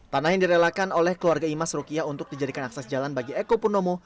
tanah yang direlakan oleh keluarga imas rukiah untuk dijadikan akses jalan bagi eko purnomo